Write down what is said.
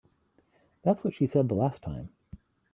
That's what she said the last time.